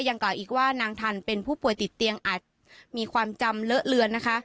กล่าวอีกว่านางทันเป็นผู้ป่วยติดเตียงอาจมีความจำเลอะเลือนนะคะ